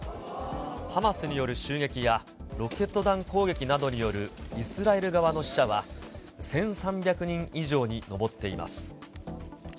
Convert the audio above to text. ハマスによる襲撃や、ロケット弾攻撃などによるイスラエル側の死者は１３００人以上に上っています。